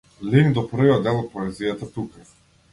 Линк до првиот дел од поезијата тука.